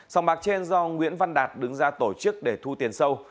sòng bạc trên do nguyễn văn đạt đứng ra tổ chức để thu tiền sâu